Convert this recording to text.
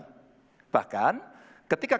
bahkan ketika kemudian hari ini ada teman teman ada di sini